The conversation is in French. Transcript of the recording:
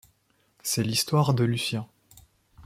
C’est l’histoire de Lucien.